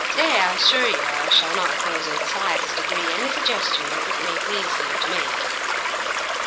Today, I assure you, I shall not oppose in the slightest degree any suggestions it may please you to make."